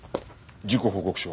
「事故報告書」？